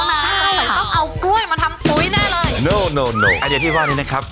ใช่ต้องเอากล้วยมาทำปุ๊ยแน่เลยนู่นไอเดียที่ว่านี้นะครับ